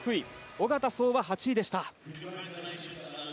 小方颯は８位でした。